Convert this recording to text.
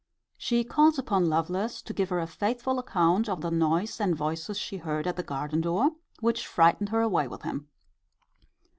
She calls upon Lovelace to give her a faithful account of the noise and voices she heard at the garden door, which frightened her away with him.